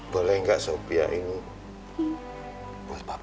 boleh gak sofia ini buat bapak